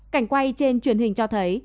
cảnh quay trên truyền hình cho thấy